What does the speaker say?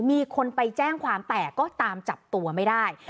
มีคนไปแจ้งความแต่ก็ตามจับตัวไม่ได้